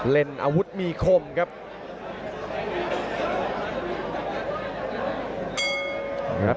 เล่นอาวุธมีคมครับ